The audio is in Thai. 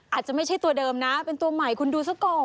อาจจะไม่ใช่ตัวเดิมนะเป็นตัวใหม่คุณดูซะก่อน